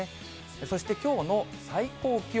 そして、きょうの最高気温。